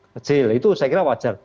kecil itu saya kira wajar